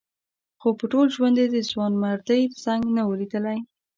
خو په ټول ژوند یې د ځوانمردۍ زنګ نه و لیدلی.